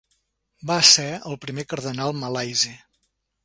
Va ser el primer cardenal malaisi.